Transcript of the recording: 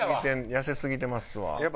痩せすぎてますわ。